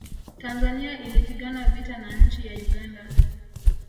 tanzania ilipigana vita na nchi ya uganda